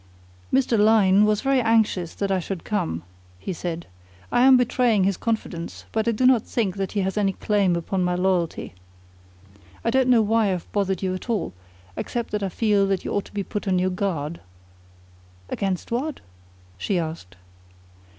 "Mr. Lyne was very anxious that I should come," he said. "I am betraying his confidence, but I do not think that he has any claim upon my loyalty. I don't know why I've bothered you at all, except that I feel that you ought to be put on your guard." "Against what?" she asked.